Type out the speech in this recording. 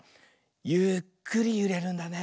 ゆっくりゆれるんだね。